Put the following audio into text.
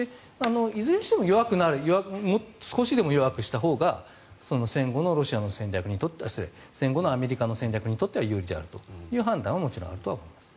いずれにしても少しでも弱くしたほうが戦後のアメリカの戦略にとっては有利であるという判断はもちろんあるとは思います。